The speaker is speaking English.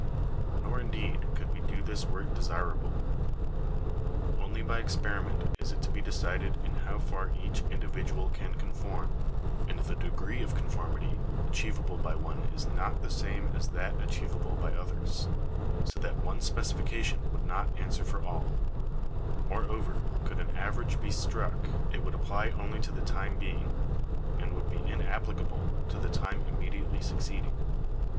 Nor, indeed, oould we do this were it desirable. Only by experiment is it to be decided in how far each individual can conform; and the de gree of conformity achievable by one is not the same as that achievable by others, so that one specification would not answer for alL Moreover, oould an average be struck, it would apply only to the time being ; and would be inapplicable to the time immediately succeeding.